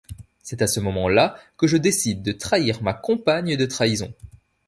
C'est à ce momentlà que je décide de trahir ma compagne de trahison.